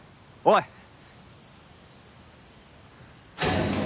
おい！